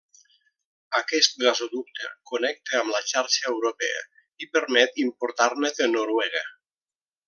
Aquest gasoducte connecta amb la xarxa europea i permet importar-ne de Noruega.